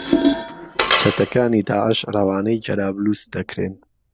چهتهکانی داعش رهوانهی جهرابلوس دهکرێن